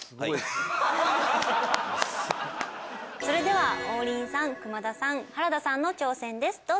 それでは王林さん久間田さん原田さんの挑戦です。